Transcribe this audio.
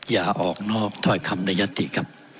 อย่าออกนอกเถ้ายะติ๊ะครับ